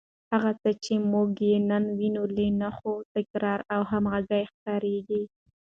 هغه څه چې موږ یې نن وینو، له نښو، تکرار او همغږۍ ښکاري